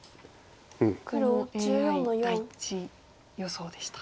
ここもＡＩ第１予想でした。